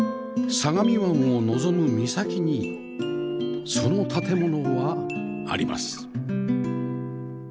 相模湾を望む岬にその建物はあります